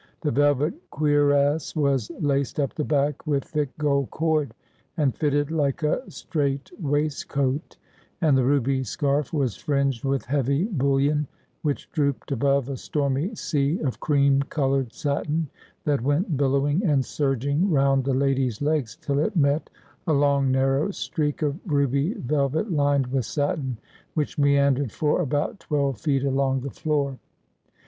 The velvet cuirass was laced up the back with thick gold cord, and fitted like a strait waistcoat ; and the ruby scarf was fringed with heavy bullion, which drooped above a stormy sea of cream coloured satin, that went billowing and surging round the lady's legs till it met a long narrow streak of ruby velvet lined with satin, which meandered for about twelve feet along the floor.